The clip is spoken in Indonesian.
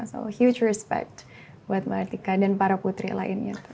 so huge respect buat mbak artika dan para putri lainnya